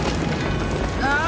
ああ！